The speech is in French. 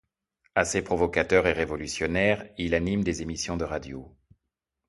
Assez provocateur et révolutionnaire, il anime des émissions de radio.